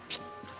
pergi ke sana